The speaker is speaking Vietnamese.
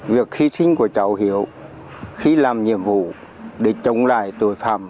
việc hy sinh của cháu hiếu khi làm nhiệm vụ để chống lại tội phạm